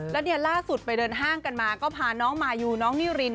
แล้วเนี่ยล่าสุดไปเดินห้างกันมาก็พาน้องมายูน้องนิริน